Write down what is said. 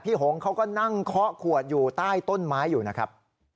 หงเขาก็นั่งเคาะขวดอยู่ใต้ต้นไม้อยู่นะครับ